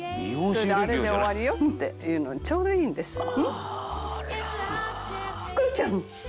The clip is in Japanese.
「それであれで終わりよっていうのにちょうどいいんです」ん？あんたも来るの？